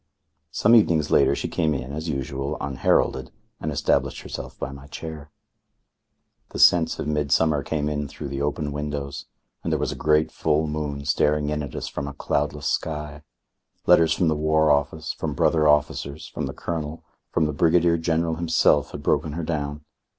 Some evenings later she came in, as usual, unheralded, and established herself by my chair. The scents of midsummer came in through the open windows, and there was a great full moon staring in at us from a cloudless sky. Letters from the War Office, from brother officers, from the Colonel, from the Brigadier General himself, had broken her down.